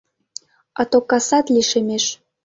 Ато касат лишемеш.